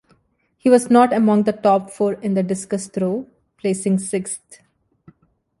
He was not among the top four in the discus throw, placing sixth.